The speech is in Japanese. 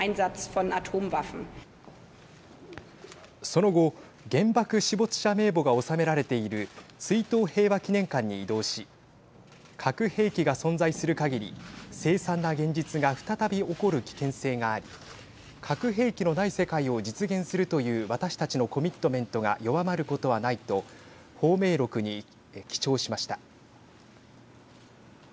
その後原爆死没者名簿が納められている追悼平和祈念館に移動し核兵器が存在するかぎり凄惨な現実が再び起こる危険性があり核兵器のない世界を実現するという私たちのコミットメントが弱まることはないと芳名録に記帳しました。